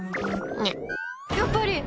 やっぱり！